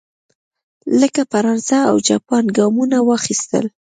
لکه فرانسه او جاپان ګامونه واخیستل.